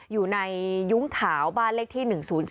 อยู่ในยุ้งขาวบ้านเลขที่๑๐๔